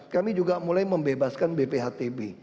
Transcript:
kami juga mulai membebaskan bphtb